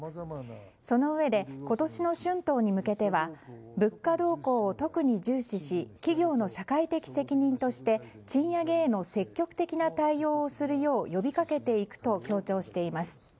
そのうえで今年の春闘に向けては物価動向を特に重視し企業の社会的責任として賃上げへの積極的な対応をするよう呼びかけていくと強調しています。